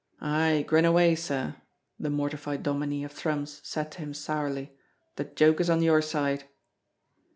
"Ay, grin away, sir," the mortified dominie of Thrums said to him sourly, "the joke is on your side."